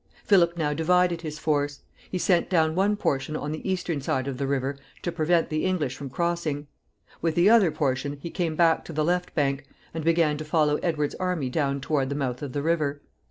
Philip now divided his force. He sent down one portion on the eastern side of the river to prevent the English from crossing. With the other portion he came back to the left bank, and began to follow Edward's army down toward the mouth of the river.